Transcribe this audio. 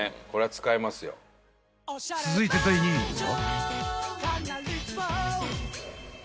［続いて第２位は？］